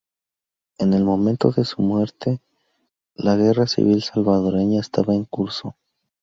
En el momento de su muerte, la guerra civil salvadoreña estaba en curso.